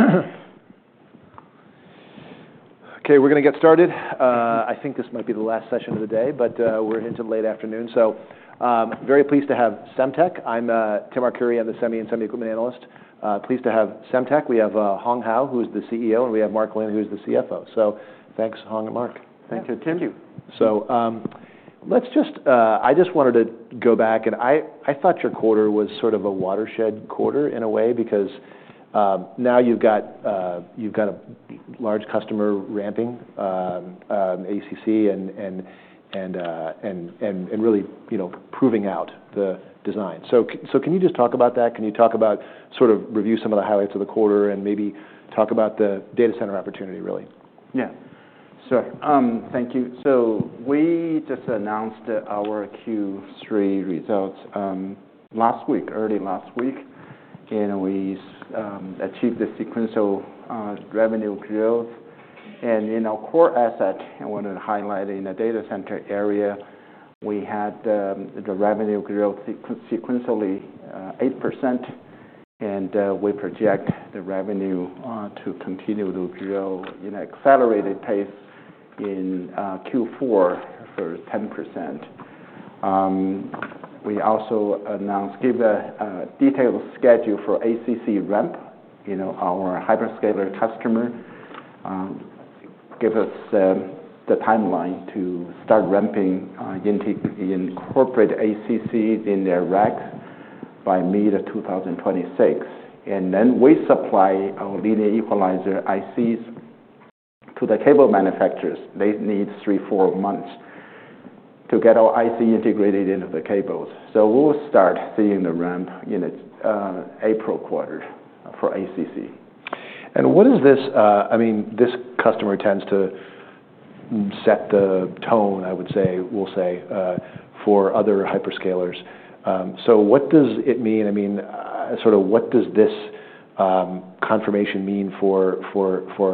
I'll sit here. You guys sit here. Okay, we're going to get started. I think this might be the last session of the day, but we're into late afternoon. So very pleased to have Semtech. I'm Tim Arcuri. I'm the semi and Semiconductor Equipment Analyst. Pleased to have Semtech. We have Hong Hou, who is the CEO, and we have Mark Lin, who is the CFO. So thanks, Hong and Mark. Thank you, Tim. So let's just. I just wanted to go back, and I thought your quarter was sort of a watershed quarter in a way because now you've got a large customer ramping, ACC, and really proving out the design. So can you just talk about that? Can you talk about sort of review some of the highlights of the quarter and maybe talk about the data center opportunity, really? Yeah. Sure. Thank you. So we just announced our Q3 results last week, early last week, and we achieved the sequential revenue growth. And in our core asset, I want to highlight in the data center area, we had the revenue growth sequentially 8%, and we project the revenue to continue to grow in an accelerated pace in Q4 for 10%. We also received a detailed schedule for the ACC ramp from our hyperscaler customer. This gives us the timeline to start ramping to incorporate ACC in their racks by mid-2026. And then we supply our linear equalizer ICs to the cable manufacturers. They need three, four months to get our IC integrated into the cables. So we'll start seeing the ramp in April quarter for ACC. What is this? I mean, this customer tends to set the tone, I would say, we'll say, for other hyperscalers. So what does it mean? I mean, sort of what does this confirmation mean for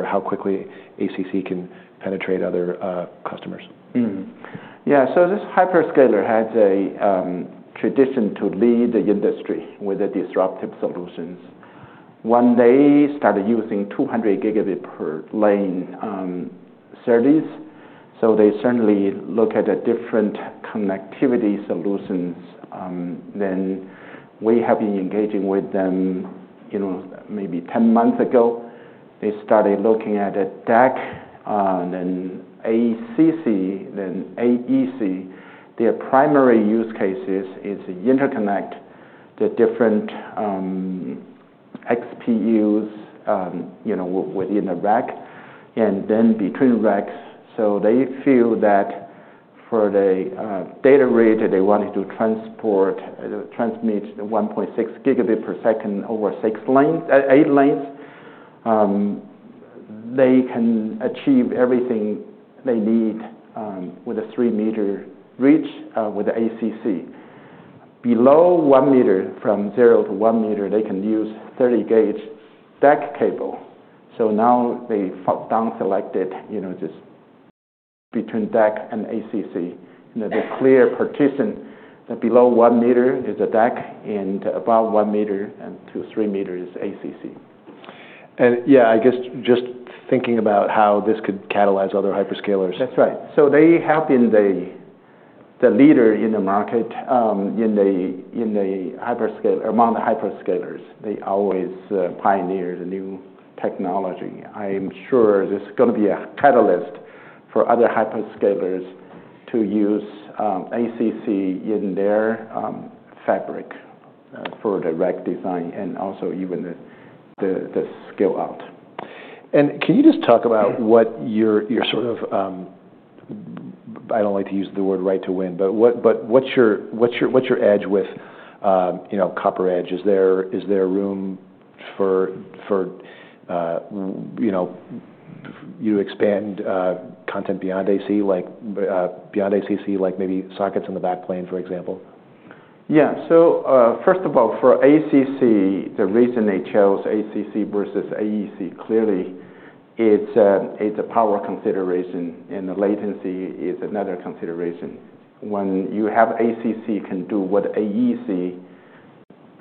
how quickly ACC can penetrate other customers? Yeah. So this hyperscaler has a tradition to lead the industry with disruptive solutions. When they started using 200 Gb per lane SerDes, so they certainly look at different connectivity solutions. Then we have been engaging with them maybe 10 months ago. They started looking at DAC, then ACC, then AEC. Their primary use case is interconnect the different XPUs within the rack and then between racks. So they feel that for the data rate, they wanted to transmit 1.6T per second over eight lanes. They can achieve everything they need with a three-meter reach with ACC. Below one meter, from zero to one meter, they can use 30-gauge DAC cable. So now they down-selected just between DAC and ACC. The clear partition below one meter is a DAC, and above one meter and two to three meters is ACC. Yeah, I guess just thinking about how this could catalyze other hyperscalers. That's right. So they have been the leader in the market in the hyperscaler, among the hyperscalers. They always pioneer the new technology. I am sure this is going to be a catalyst for other hyperscalers to use ACC in their fabric for direct design and also even the scale-out. And can you just talk about what your sort of, I don't like to use the word right to win, but what's your edge with CopperEdge? Is there room for you to expand content beyond ACC, like maybe sockets in the backplane, for example? Yeah. So first of all, for ACC, the reason they chose ACC versus AEC clearly, it's a power consideration, and the latency is another consideration. When you have ACC, you can do what AEC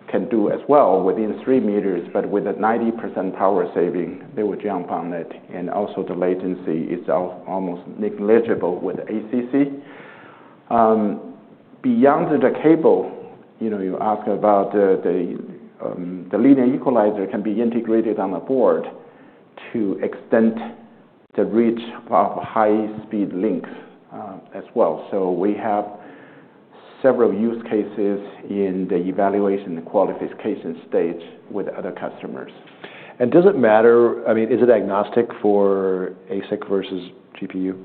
can do as well within three meters, but with a 90% power saving, they would jump on it. And also the latency is almost negligible with ACC. Beyond the cable, you ask about the linear equalizer can be integrated on the board to extend the reach of high-speed links as well. So we have several use cases in the evaluation and qualification stage with other customers. Does it matter? I mean, is it agnostic for ASIC versus GPU?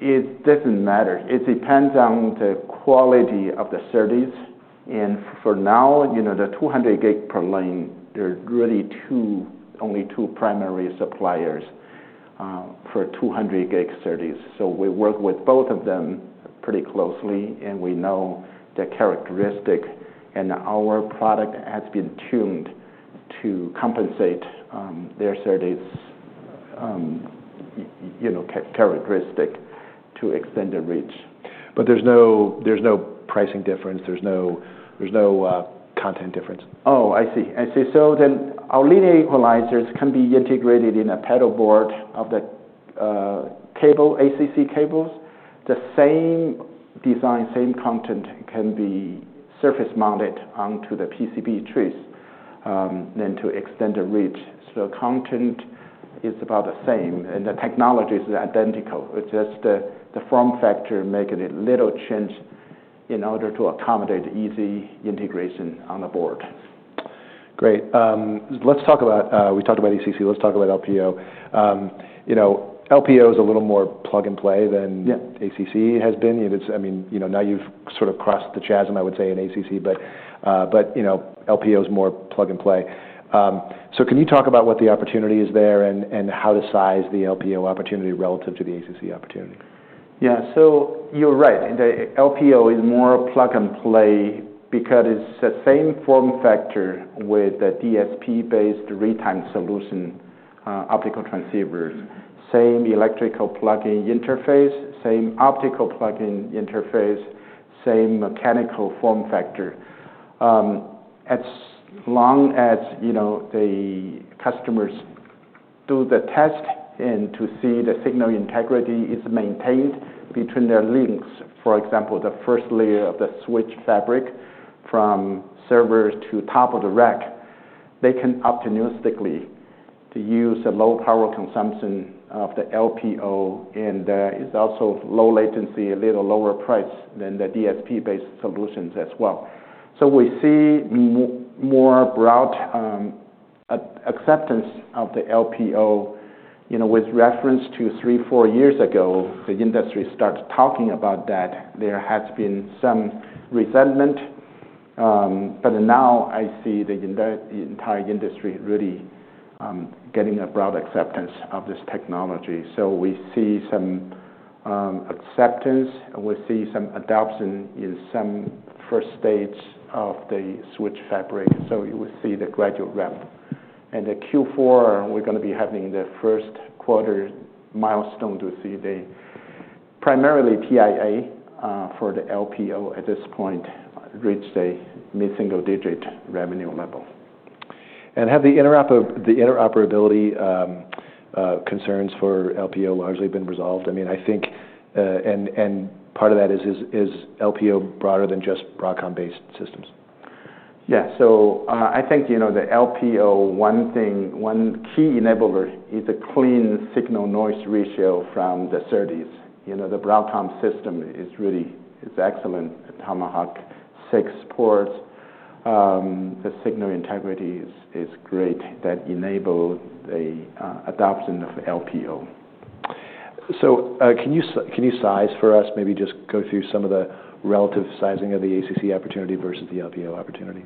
It doesn't matter. It depends on the quality of the SerDes. And for now, the 200 Gb per lane, there are really only two primary suppliers for 200 Gb SerDes. So we work with both of them pretty closely, and we know the characteristic, and our product has been tuned to compensate their SerDes characteristic to extend the reach. But there's no pricing difference. There's no content difference. Oh, I see. I see. So then our linear equalizers can be integrated in a paddle board of the cable, ACC cables. The same design, same content can be surface mounted onto the PCB trace then to extend the reach. So the content is about the same, and the technology is identical. It's just the form factor making a little change in order to accommodate easy integration on the board. Great. We talked about ACC. Let's talk about LPO. LPO is a little more plug and play than ACC has been. I mean, now you've sort of crossed the chasm, I would say, in ACC, but LPO is more plug and play. So can you talk about what the opportunity is there and how to size the LPO opportunity relative to the ACC opportunity? Yeah. So you're right. The LPO is more plug and play because it's the same form factor with the DSP-based retimer solution optical transceivers, same electrical plug-in interface, same optical plug-in interface, same mechanical form factor. As long as the customers do the test and to see the signal integrity is maintained between their links, for example, the first layer of the switch fabric from servers to top of the rack, they can optimistically use a low power consumption of the LPO, and it's also low latency, a little lower price than the DSP-based solutions as well. So we see more broad acceptance of the LPO. With reference to three, four years ago, the industry started talking about that. There has been some resentment, but now I see the entire industry really getting a broad acceptance of this technology. So we see some acceptance. We see some adoption in some first stage of the switch fabric. So we see the gradual ramp. And in Q4, we're going to be having the first quarter milestone to see the primarily TIA for the LPO at this point reached a mid-single-digit revenue level. Have the interoperability concerns for LPO largely been resolved? I mean, I think, and part of that is, is LPO broader than just Broadcom-based systems? Yeah. So I think the LPO, one key enabler, is a clean signal-to-noise ratio from the SerDes. The Broadcom system is really excellent at Tomahawk switch ports. The signal integrity is great. That enabled the adoption of LPO. So can you size for us? Maybe just go through some of the relative sizing of the ACC opportunity versus the LPO opportunity.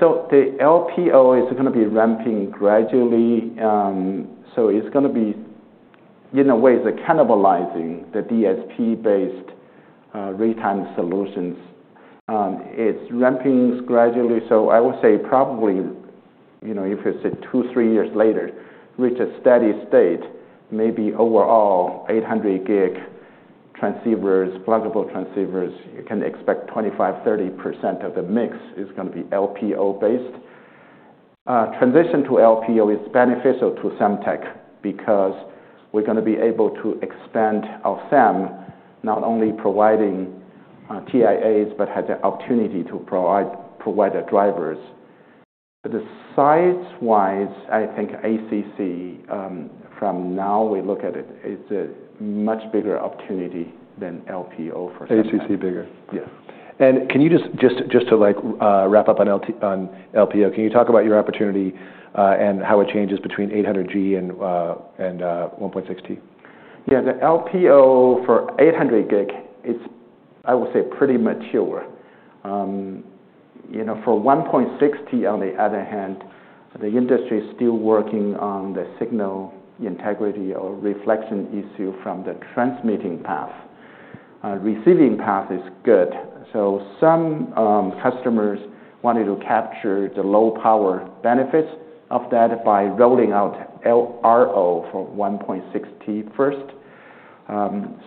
So the LPO is going to be ramping gradually. So it's going to be, in a way, cannibalizing the DSP-based retimer solutions. It's ramping gradually. So I would say probably if it's two, three years later, reach a steady state, maybe overall 800 Gb transceivers, pluggable transceivers, you can expect 25%-30% of the mix is going to be LPO-based. Transition to LPO is beneficial to Semtech because we're going to be able to expand our SAM, not only providing TIAs, but has the opportunity to provide the drivers. But size-wise, I think ACC, from now we look at it, is a much bigger opportunity than LPO for. ACC bigger. Yeah. Can you just to wrap up on LPO, can you talk about your opportunity and how it changes between 800G and 1.6T? Yeah. The LPO for 800G, I will say, pretty mature. For 1.6T, on the other hand, the industry is still working on the signal integrity or reflection issue from the transmitting path. Receiving path is good. So some customers wanted to capture the low power benefits of that by rolling out LRO for 1.6T first.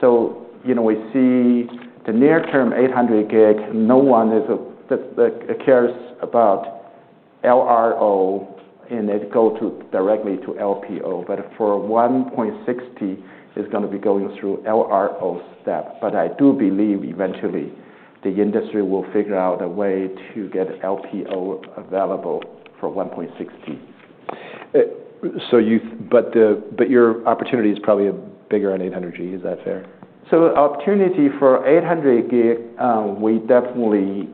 So we see the near-term 800G, no one cares about LRO, and they go directly to LPO. But for 1.6T, it's going to be going through LRO step. But I do believe eventually the industry will figure out a way to get LPO available for 1.6T. So your opportunity is probably bigger on 800G. Is that fair? the opportunity for 800G, we definitely,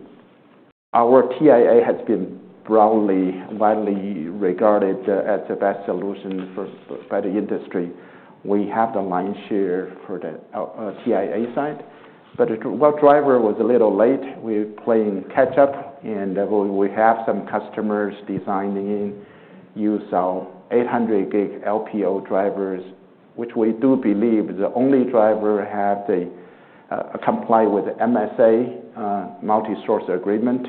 our TIA has been broadly regarded as the best solution by the industry. We have the lion's share for the TIA side. But our driver was a little late, we're playing catch-up, and we have some customers designing in, using our 800G LPO drivers, which we do believe is the only driver that has to comply with MSA, multi-source agreement,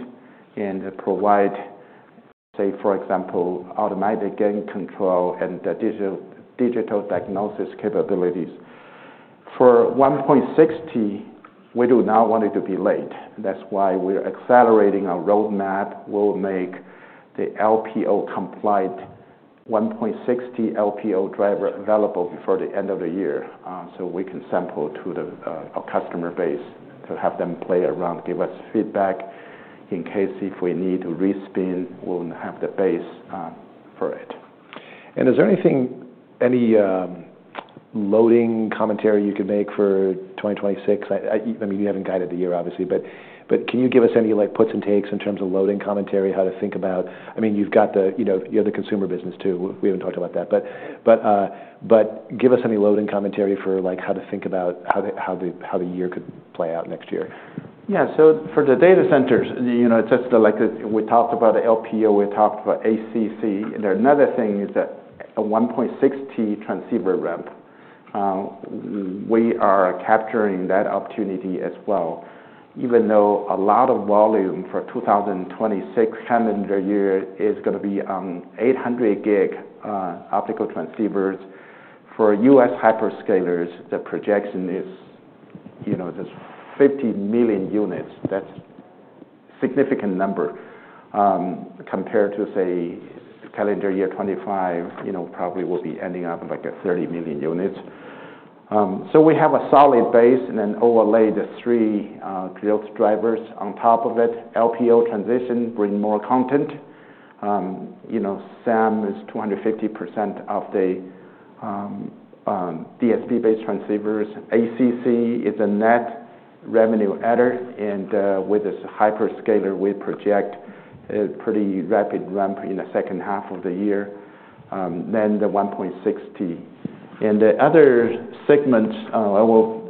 and provide, say, for example, automatic gain control and digital diagnostic capabilities. For 1.6T, we do not want it to be late. That's why we're accelerating our roadmap. We'll make the LPO compliant 1.6T LPO driver available before the end of the year so we can sample to our customer base to have them play around, give us feedback in case we need to respin, we'll have the buffer for it. Is there anything, any loading commentary you could make for 2026? I mean, you haven't guided the year, obviously, but can you give us any puts and takes in terms of loading commentary, how to think about, I mean, you've got the, you're the consumer business too. We haven't talked about that. Give us any loading commentary for how to think about how the year could play out next year. Yeah. So for the data centers, it's just like we talked about LPO. We talked about ACC. And another thing is that a 1.6T transceiver ramp, we are capturing that opportunity as well. Even though a lot of volume for 2026 calendar year is going to be on 800 gig optical transceivers, for U.S. hyperscalers, the projection is just 50 million units. That's a significant number compared to, say, calendar year 2025, probably will be ending up like 30 million units. So we have a solid base and then overlay the three growth drivers on top of it. LPO transition brings more content. SAM is 250% of the DSP-based transceivers. ACC is a net revenue adder. And with this hyperscaler, we project a pretty rapid ramp in the second half of the year, then the 1.6T. The other segment, I will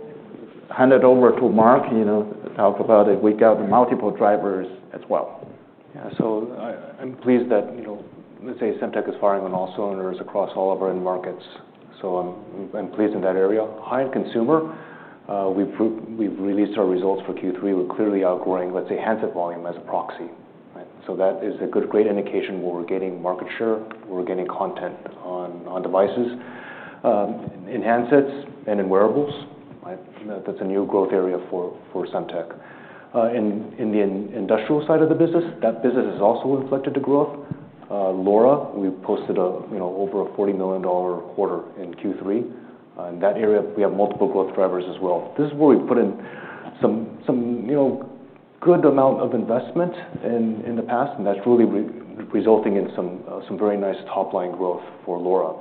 hand it over to Mark to talk about it. We got multiple drivers as well. Yeah. So I'm pleased that, let's say, Semtech is firing on all cylinders across all of our end markets. So I'm pleased in that area. High-end consumer, we've released our results for Q3. We're clearly outgrowing, let's say, handset volume as a proxy. So that is a great indication where we're getting market share, we're getting content on devices, enhanced and in wearables. That's a new growth area for Semtech. In the industrial side of the business, that business is also inflecting to growth. LoRa, we posted over a $40 million quarter in Q3. In that area, we have multiple growth drivers as well. This is where we put in some good amount of investment in the past, and that's really resulting in some very nice top-line growth for LoRa.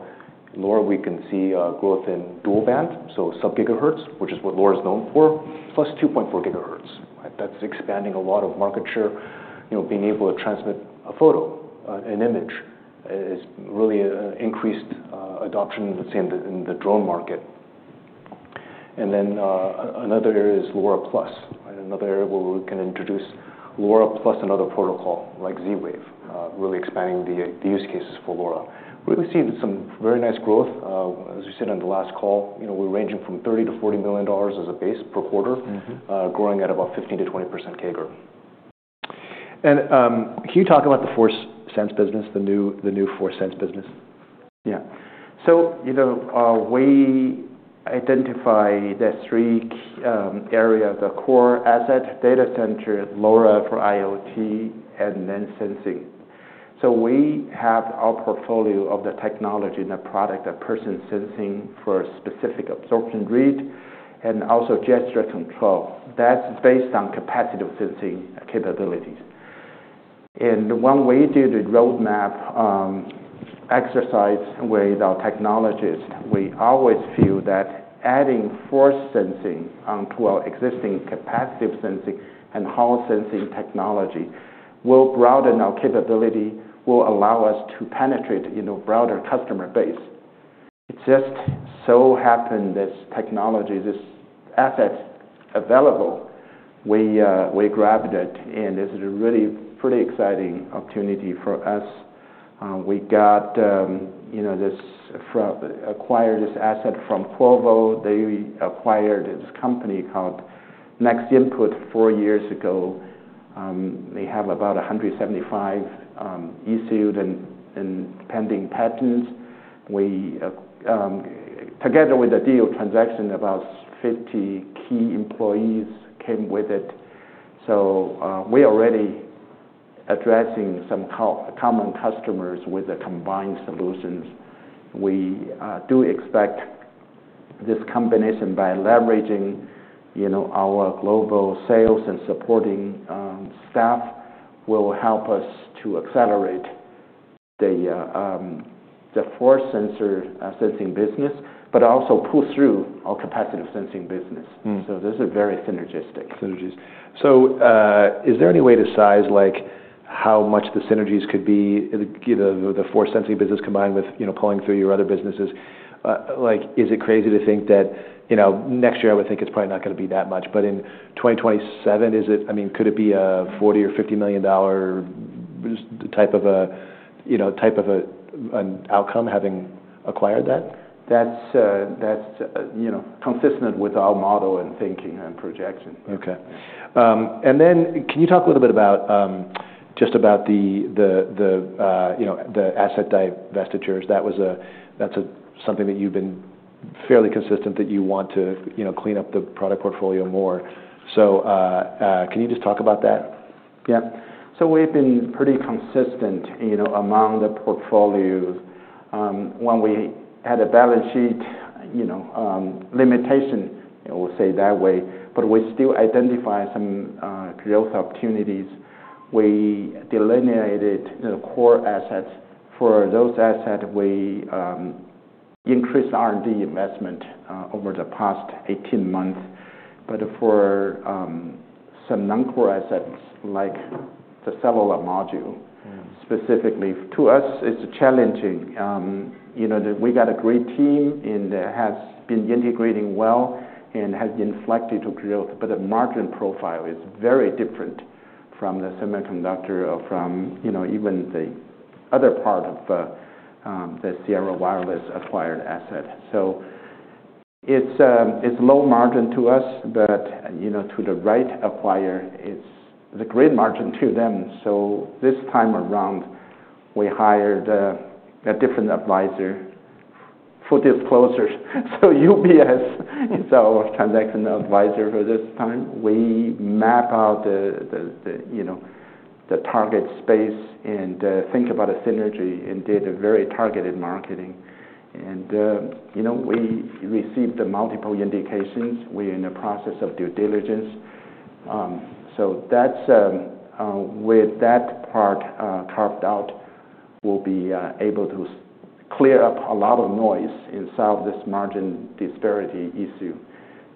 LoRa, we can see growth in dual band, so sub-gigahertz, which is what LoRa is known for, plus 2.4 GHz. That's expanding a lot of market share. Being able to transmit a photo, an image, has really increased adoption, let's say, in the drone market. Then another area is LoRa plus. Another area where we can introduce LoRa plus and other protocols like Z-Wave, really expanding the use cases for LoRa. We're seeing some very nice growth. As we said on the last call, we're ranging from $30 million-$40 million as a base per quarter, growing at about 15%-20% CAGR. Can you talk about the force sensing business, the new force sensing business? Yeah. So we identify the three areas: the core asset, data center, LoRa for IoT, and then sensing. So we have our portfolio of the technology and the product, the person sensing for specific absorption rate and also gesture control. That's based on capacitive sensing capabilities. And when we do the roadmap exercise with our technologists, we always feel that adding force sensing onto our existing capacitive sensing and Hall sensing technology will broaden our capability, will allow us to penetrate a broader customer base. It just so happened this technology, this asset available, we grabbed it, and this is a really pretty exciting opportunity for us. We got this acquired, this asset from Qorvo. They acquired this company called NextInput four years ago. They have about 175 issued and pending patents. Together with the deal transaction, about 50 key employees came with it. So we're already addressing some common customers with the combined solutions. We do expect this combination by leveraging our global sales and supporting staff will help us to accelerate the force sensor sensing business, but also pull through our capacitive sensing business. So this is very synergistic. Synergies. So is there any way to size how much the synergies could be? The force sensing business combined with pulling through your other businesses, is it crazy to think that next year I would think it's probably not going to be that much, but in 2027, I mean, could it be a $40 million or $50 million type of an outcome having acquired that? That's consistent with our model and thinking and projection. Okay. And then can you talk a little bit about the asset divestitures? That's something that you've been fairly consistent that you want to clean up the product portfolio more. So can you just talk about that? Yeah. So we've been pretty consistent among the portfolios. When we had a balance sheet limitation, we'll say that way, but we still identify some growth opportunities. We delineated the core assets. For those assets, we increased R&D investment over the past 18 months. But for some non-core assets like the cellular module, specifically to us, it's challenging. We got a great team and has been integrating well and has been inflected to growth, but the margin profile is very different from the semiconductor or from even the other part of the Sierra Wireless acquired asset. So it's low margin to us, but to the right acquire, it's the great margin to them. So this time around, we hired a different advisor, full disclosure. So UBS is our transaction advisor for this time. We map out the target space and think about a synergy and did a very targeted marketing. We received multiple indications. We're in the process of due diligence. With that part carved out, we'll be able to clear up a lot of noise inside of this margin disparity issue.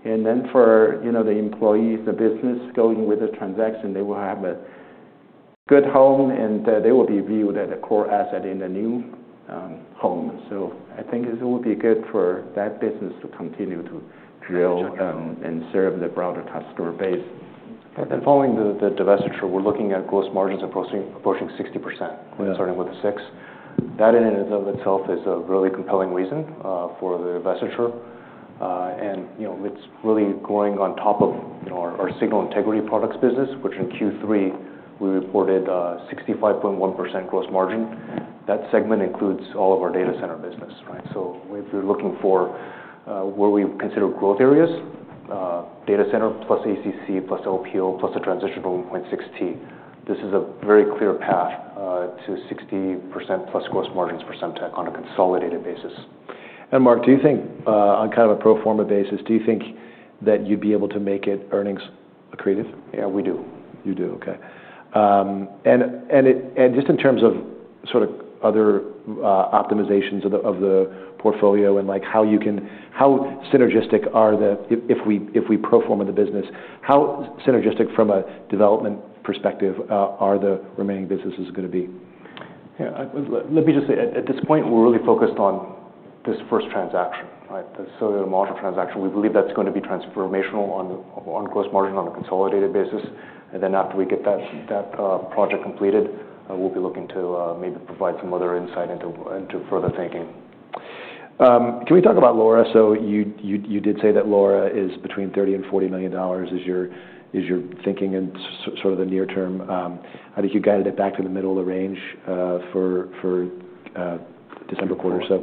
Then for the employees, the business going with the transaction, they will have a good home and they will be viewed as a core asset in the new home. I think it will be good for that business to continue to grow and serve the broader customer base. And following the divestiture, we're looking at gross margins approaching 60%. We're starting with a six. That in and of itself is a really compelling reason for the divestiture. And it's really growing on top of our signal integrity products business, which in Q3 we reported 65.1% gross margin. That segment includes all of our data center business. So we're looking for where we consider growth areas, data center plus ACC plus LPO plus the transition to 1.6T. This is a very clear path to 60% plus gross margins for Semtech on a consolidated basis. And Mark, do you think on kind of a pro forma basis, do you think that you'd be able to make it earnings accretive? Yeah, we do. You do. Okay. And just in terms of sort of other optimizations of the portfolio and how synergistic are they if we pro forma the business, how synergistic from a development perspective are the remaining businesses going to be? Yeah. Let me just say at this point, we're really focused on this first transaction, the cellular module transaction. We believe that's going to be transformational on gross margin on a consolidated basis. And then after we get that project completed, we'll be looking to maybe provide some other insight into further thinking. Can we talk about LoRa? So you did say that LoRa is between $30million-$40 million is your thinking in sort of the near term. I think you guided it back to the middle of the range for December quarter. So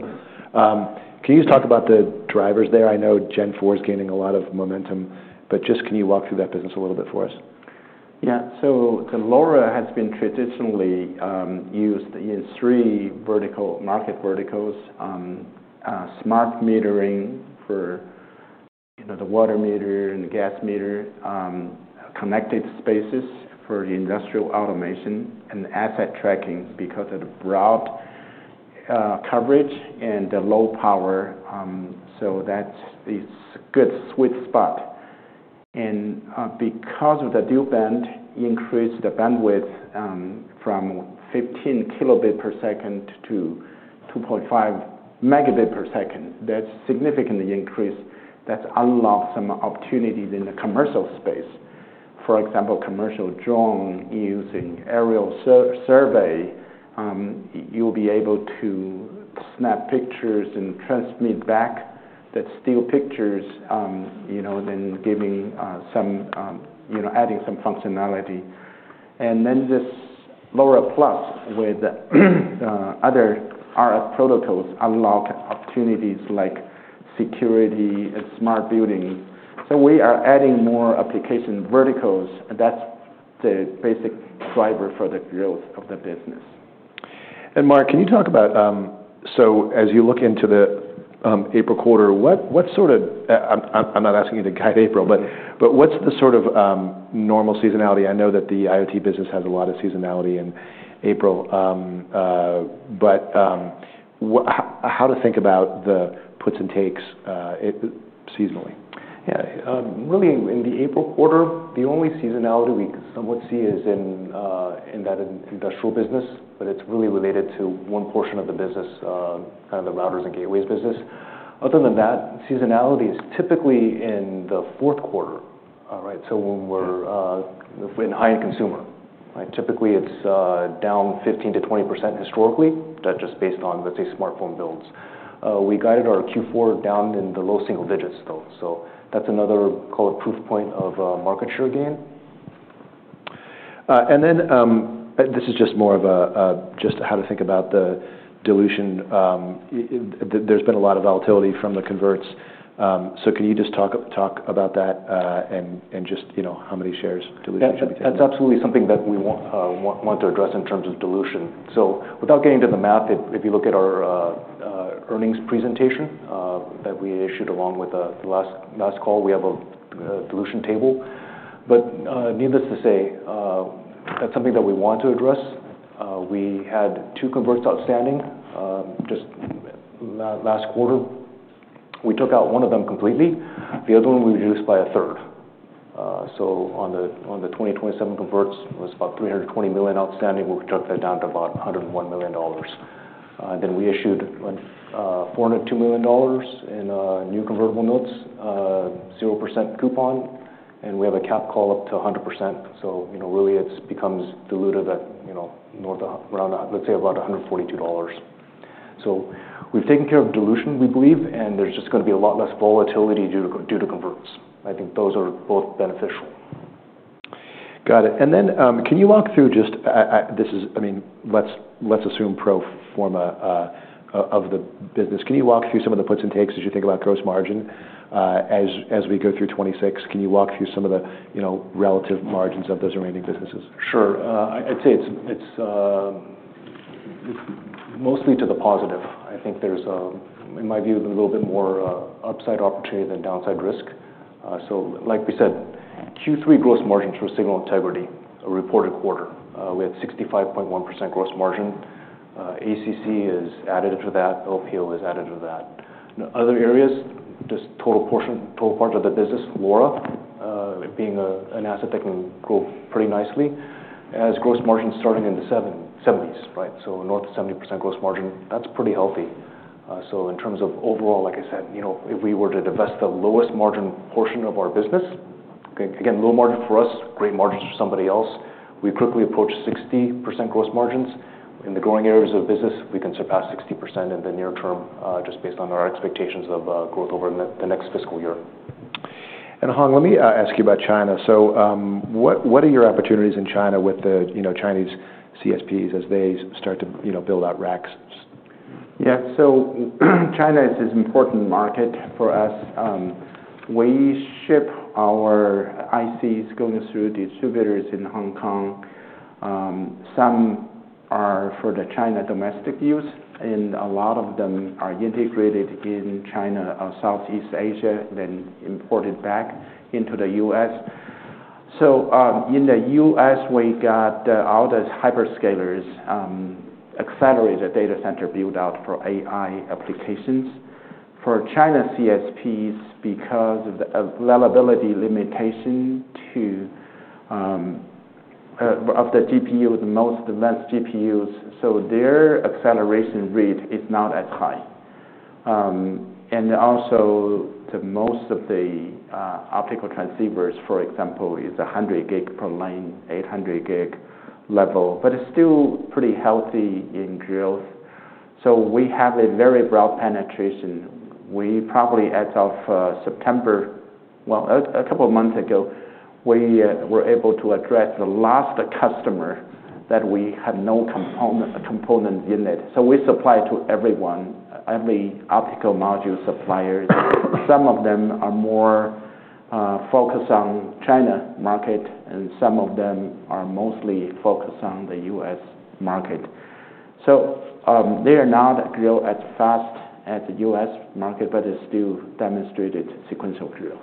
can you just talk about the drivers there? I know Gen 4 is gaining a lot of momentum, but just can you walk through that business a little bit for us? Yeah. So the LoRa has been traditionally used in three market verticals: smart metering for the water meter and gas meter, connected spaces for the industrial automation, and asset tracking because of the broad coverage and the low power. So that's a good sweet spot. And because of the dual band, increase the bandwidth from 15 Kb per second to 2.5 Mb per second. That's a significant increase. That's unlocked some opportunities in the commercial space. For example, commercial drone using aerial survey, you'll be able to snap pictures and transmit back the still pictures, then giving some adding some functionality. And then this LoRa plus with other RF protocols unlock opportunities like security and smart building. So we are adding more application verticals. That's the basic driver for the growth of the business. And, Mark, can you talk about so as you look into the April quarter, what sort of? I'm not asking you to guide April, but what's the sort of normal seasonality? I know that the IoT business has a lot of seasonality in April, but how to think about the puts and takes seasonally? Yeah. Really, in the April quarter, the only seasonality we can somewhat see is in that industrial business, but it's really related to one portion of the business, kind of the routers and gateways business. Other than that, seasonality is typically in the fourth quarter, so when we're in high-end consumer. Typically, it's down 15%-20% historically, just based on, let's say, smartphone builds. We guided our Q4 down in the low single digits, though. So that's another proof point of market share gain. And then this is just more of just how to think about the dilution. There's been a lot of volatility from the converts. So can you just talk about that and just how many shares dilution should be taken? Yeah. That's absolutely something that we want to address in terms of dilution. So without getting into the math, if you look at our earnings presentation that we issued along with the last call, we have a dilution table. But needless to say, that's something that we want to address. We had two converts outstanding just last quarter. We took out one of them completely. The other one we reduced by a third. So on the 2027 converts, it was about $320 million outstanding. We took that down to about $101 million. Then we issued $402 million in new convertible notes, 0% coupon, and we have a capped call up to 100%. So really, it becomes diluted at around, let's say, about $142. So we've taken care of dilution, we believe, and there's just going to be a lot less volatility due to converts. I think those are both beneficial. Got it. And then can you walk through, I mean, let's assume pro forma of the business. Can you walk through some of the puts and takes as you think about gross margin as we go through 2026? Can you walk through some of the relative margins of those remaining businesses? Sure. I'd say it's mostly to the positive. I think there's, in my view, a little bit more upside opportunity than downside risk. So like we said, Q3 gross margin for signal integrity, a reported quarter, we had 65.1% gross margin. ACC is added into that. LPO is added into that. Other areas, just total parts of the business, LoRa being an asset that can grow pretty nicely as gross margin starting in the 70s%. So north of 70% gross margin, that's pretty healthy. So in terms of overall, like I said, if we were to divest the lowest margin portion of our business, again, low margin for us, great margins for somebody else. We quickly approach 60% gross margins. In the growing areas of business, we can surpass 60% in the near term just based on our expectations of growth over the next fiscal year. Hong, let me ask you about China. What are your opportunities in China with the Chinese CSPs as they start to build out racks? Yeah. So China is an important market for us. We ship our ICs going through distributors in Hong Kong. Some are for the China domestic use, and a lot of them are integrated in China or Southeast Asia, then imported back into the U.S. So in the U.S., we got all the hyperscalers accelerated data center build-out for AI applications. For China CSPs, because of the availability limitation of the GPUs, the most advanced GPUs, so their acceleration rate is not as high. And also most of the optical transceivers, for example, is 100 gig per lane, 800 gig level, but it's still pretty healthy in growth. So we have a very broad penetration. We probably as of September, well, a couple of months ago, we were able to address the last customer that we had no components in it. So we supply to everyone, every optical module supplier. Some of them are more focused on China market, and some of them are mostly focused on the U.S. market. So they are not growing as fast as the U.S. market, but it's still demonstrated sequential growth.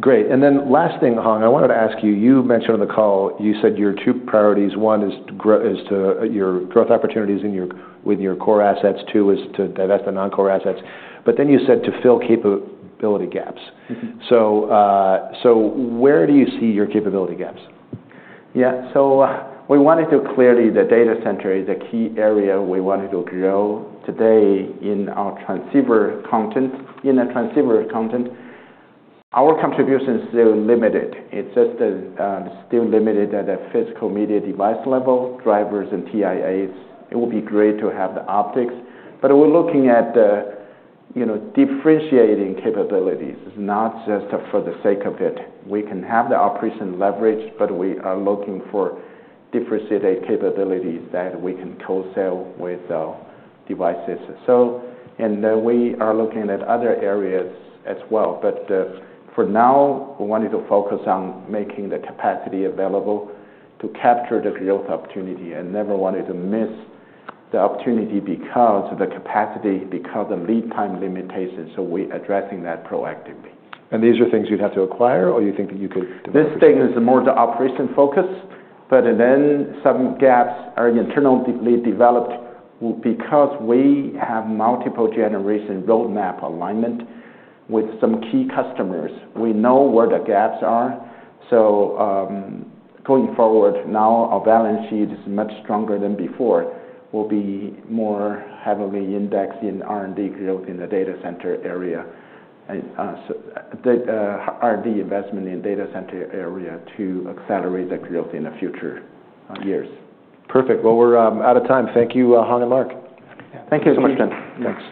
Great. And then last thing, Hong, I wanted to ask you. You mentioned on the call, you said your two priorities, one is your growth opportunities with your core assets, two is to divest the non-core assets, but then you said to fill capability gaps. So where do you see your capability gaps? Yeah, so we wanted to clearly state that the data center is a key area we wanted to grow into our transceiver content. In the transceiver content, our contribution is still limited. It's just still limited at a physical medium dependent level, drivers and TIAs. It would be great to have the optics, but we're looking at differentiating capabilities, not just for the sake of it. We can have the operational leverage, but we are looking for differentiated capabilities that we can co-sell with our devices. And we are looking at other areas as well. But for now, we wanted to focus on making the capacity available to capture the growth opportunity and never wanted to miss the opportunity because of the capacity, because of lead time limitations. So we're addressing that proactively. These are things you'd have to acquire or you think that you could develop? This thing is more the operation focus, but then some gaps are internally developed because we have multiple generation roadmap alignment with some key customers. We know where the gaps are. So going forward now, our balance sheet is much stronger than before. We'll be more heavily indexed in R&D growth in the data center area, R&D investment in data center area to accelerate the growth in the future years. Perfect. Well, we're out of time. Thank you, Hong and Mark. Thank you so much, Tim. Thanks.